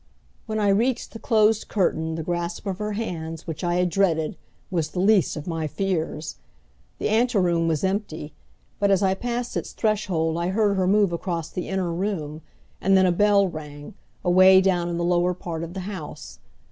When I reached the closed curtain the grasp of her hands, which I had dreaded; was the least of my fears. The anteroom was empty, but as I passed its threshold I heard her move across the inner room, and then a bell rang, away down in the lower part of the house.